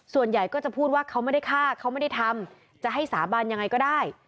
ส่วนใหญ่ก็จะพูดว่าเขาไม่ได้ฆ่าเขาไม่ได้ทำจะให้สาบานยังไงก็ได้